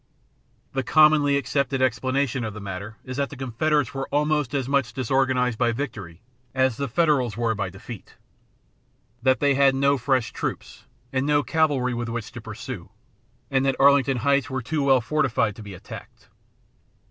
The commonly accepted explanation of the matter is that the Confederates were "almost as much disorganized by victory as the Federals were by defeat;" that they had no fresh troops and no cavalry with which to pursue, and that Arlington Heights were too well fortified to be attacked.